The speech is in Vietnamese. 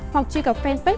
hoặc truy cập fanpage